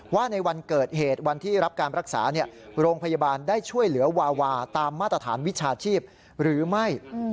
ว่าในวันเกิดเหตุวันที่รับการรักษาโรงพยาบาลได้ช่วยเหลือวาวาตามมาตรฐานวิชาชีพหรือไม่